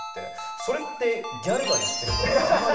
それってギャルがやってることとあんまり。